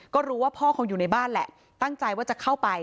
ก็รู้ว่าพ่อคงอยู่ในบ้านแหละตั้งใจว่าจะเข้าไป